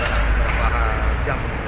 ada berapa jam